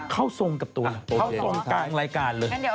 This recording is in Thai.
เข้าทรงกับตัวลงทางรายการเลย